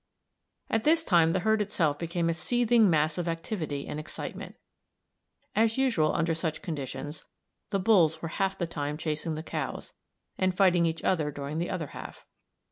At this time the herd itself became a seething mass of activity and excitement. As usual under such conditions, the bulls were half the time chasing the cows, and fighting each other during the other half.